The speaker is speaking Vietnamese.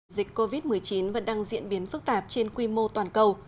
dịch covid một mươi chín vẫn đang diễn biến phức tạp trên quy mô toàn cầu